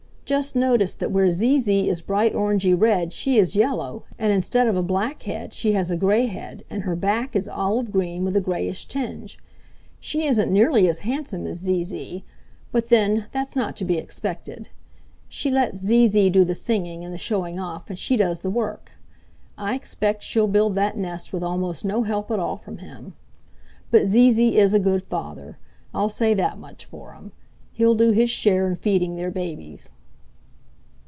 Just notice that where Zee Zee is bright orange y red she is yellow, and instead of a black head she has a gray head and her back is olive green with a grayish tinge. She isn't nearly as handsome as Zee Zee, but then, that's not to be expected. She lets Zee Zee do the singing and the showing off and she does the work. I expect she'll build that nest with almost no help at all from him. But Zee Zee is a good father, I'll say that much for him. He'll do his share in feeding their babies."